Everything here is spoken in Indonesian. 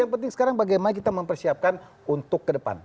yang penting sekarang bagaimana kita mempersiapkan untuk ke depan